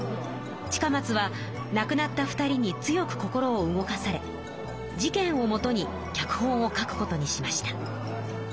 近松はなくなった２人に強く心を動かされ事件をもとに脚本を書くことにしました。